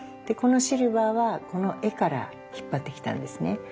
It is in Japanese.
でこのシルバーはこの絵から引っ張ってきたんですね。